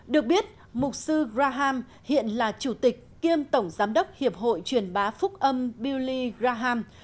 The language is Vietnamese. được biết mục sư graham hiện là chủ tịch kiêm tổng giám đốc hiệp hội truyền bá phúc âm billy graham